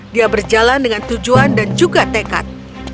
dia berjalan dengan tujuan dan juga tekad